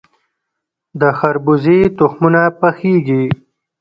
د خربوزې تخمونه پخیږي.